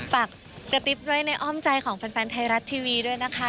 ฝากกระติ๊บไว้ในอ้อมใจของแฟนไทยรัฐทีวีด้วยนะคะ